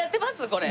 これ。